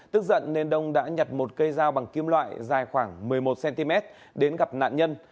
tức giận nên đông đã nhặt một cây dao bằng kim loại dài khoảng một mươi một cm đến gặp nạn nhân